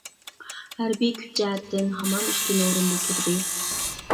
ھەربىي كۈچ جەھەتتىن ھامان ئۈستۈن ئورۇندا تۇردى.